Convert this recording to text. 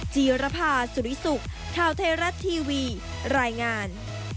จีรภาสุริสุขข่าวไทยรัฐทีวีรายงาน